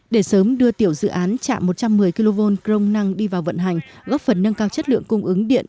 để sớm đưa tiểu dự án chạm một trăm một mươi kv crom năng đi vào vận hành góp phần nâng cao chất lượng cung ứng điện